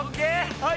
はい！